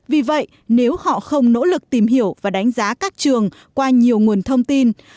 vì vậy nếu họ không nỗ lực tìm hiểu và đánh giá các trường qua nhiều nguồn thông tin